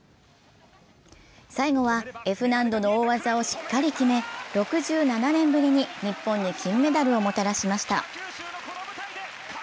最後はＦ難度の大技をしっかり決め６７年ぶりに日本に金メダルをもたらしました。